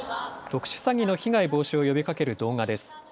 特殊詐欺の被害防止を呼びかける動画です。